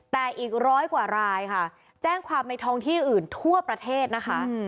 แต่อีกร้อยกว่ารายค่ะแจ้งความในท้องที่อื่นทั่วประเทศนะคะ